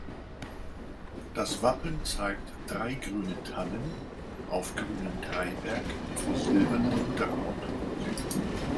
Das Wappen zeigt drei grüne Tannen auf grünem Dreiberg vor silbernem Hintergrund.